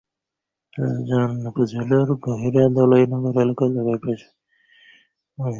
রাউজান উপজেলার গহিরা ধলই নগর এলাকার দুবাইপ্রবাসী মোহাম্মদ মজিবের ছেলে সিয়াম।